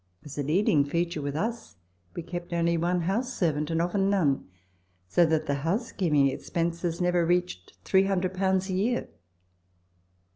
As a loading feature with us, we kept only one house servant, and often none, so that the housekeeping expenses never reached 300 a year.